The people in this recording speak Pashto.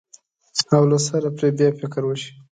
او له سره پرې بیا فکر وشي.